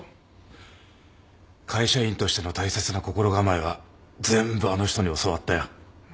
会社員としての大切な心構えは全部あの人に教わったよ。